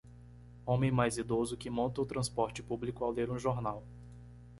Homem mais idoso que monta o transporte público ao ler um jornal.